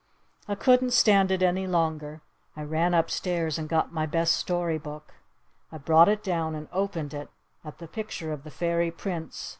I couldn't stand it any longer. I ran upstairs and got my best story book. I brought it down and opened it at the picture of the Fairy Prince.